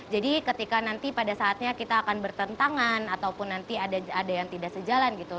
jadi ketika nanti pada saatnya kita akan bertentangan ataupun nanti ada yang tidak sejalan gitu